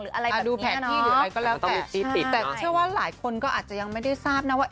หรืออะไรแบบนี้เนอะต้องติดติดเนอะแต่ถ้าว่าหลายคนก็อาจจะยังไม่ได้ทราบนะว่า